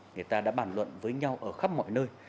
người ta đã bàn luận với nhau ở khắp mọi nơi